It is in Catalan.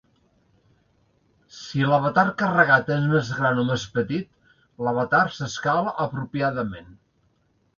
Si l'avatar carregat és més gran o més petit, l'avatar s'escala apropiadament.